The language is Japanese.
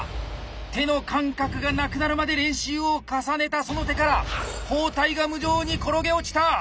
手の感覚がなくなるまで練習を重ねたその手から包帯が無情に転げ落ちた！